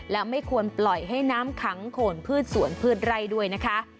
และไม่ควรปล่อยให้น้ำขังโขนพืชสวนพืชไร่ด้วยนะคะ